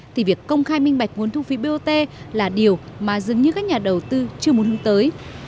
thì việc công khai minh bạch nguồn thu phí bot là điều mà dường như các nhà đầu tư chưa muốn hướng tới